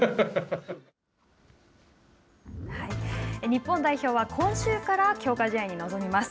日本代表は今週から強化試合に臨みます。